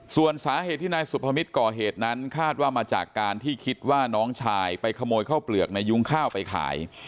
ส่วนสาเหตุที่นายสุภมิตรก่อเหตุนั้นคาดว่ามาจากการที่คิดว่าน้องชายไปขโมยข้าวเปลือกในยุ้งข้าวไปขาย